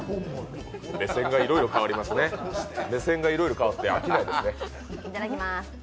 目線がいろいろ変わりますね、目線がいろいろ変わって飽きないですね。